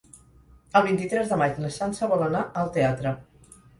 El vint-i-tres de maig na Sança vol anar al teatre.